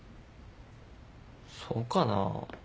そうかなぁ？